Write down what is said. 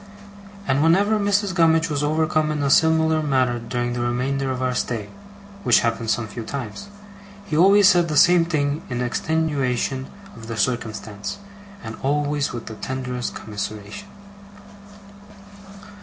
And whenever Mrs. Gummidge was overcome in a similar manner during the remainder of our stay (which happened some few times), he always said the same thing in extenuation of the circumstance, and always with the tenderest commiseration.